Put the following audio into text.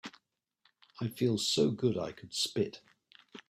I feel so good I could spit.